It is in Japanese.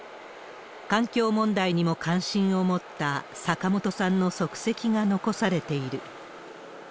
環境問題にも関心を持った坂本さんの足跡が残されている。